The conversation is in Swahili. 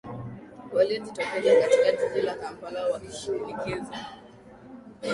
waliojitokeza katika jiji la kampala wakishinikiza